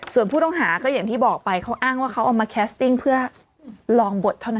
ส่วนผู้ต้องหาก็อย่างที่บอกไปเขาอ้างว่าเขาเอามาแคสติ้งเพื่อลองบทเท่านั้น